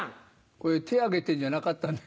これ手挙げてるんじゃなかったんだ。